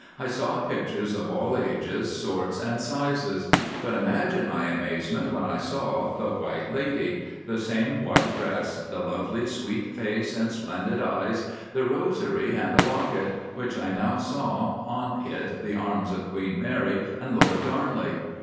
I saw pictures of all ages, sorts, and sizes; but imagine my amazement when I saw 'The White Lady'—the same white dress, the lovely sweet face and splendid eyes, the rosary, and a locket, which I now saw had on it the arms of Queen Mary and Lord Darnley.